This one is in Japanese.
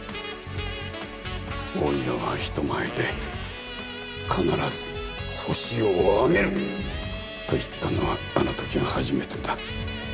大岩が人前で「必ずホシを挙げる」と言ったのはあの時が初めてだ。